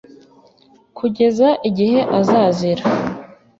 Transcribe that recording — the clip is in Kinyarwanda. kugeza igihe azazira